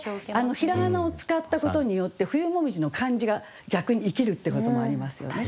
平仮名を使ったことによって「冬紅葉」の漢字が逆に生きるってこともありますよね。